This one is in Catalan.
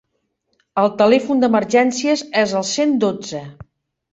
El telèfon d'emergències és el cent dotze.